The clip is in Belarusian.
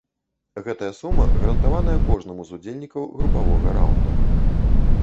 Гэтая сума гарантаваная кожнаму з удзельнікаў групавога раўнда.